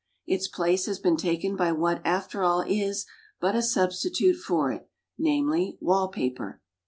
Its place has been taken by what after all is but a substitute for it, namely, wall paper.